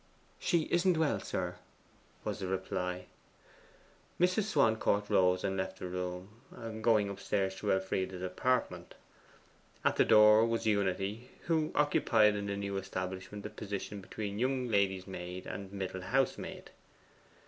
'She isn't well, sir,' was the reply. Mrs. Swancourt rose and left the room, going upstairs to Elfride's apartment. At the door was Unity, who occupied in the new establishment a position between young lady's maid and middle housemaid.